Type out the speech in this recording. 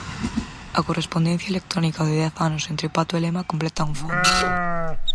A correspondencia electrónica de dez anos entre Pato e Lema completan o fondo.